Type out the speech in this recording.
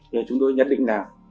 thì chúng tôi nhận định là